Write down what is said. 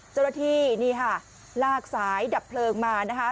เจ้าหน้าที่นี่ค่ะลากสายดับเพลิงมานะคะ